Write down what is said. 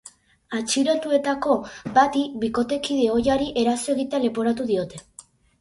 Atxilotuetako bati bikotekide ohiari eraso egitea leporatu diote.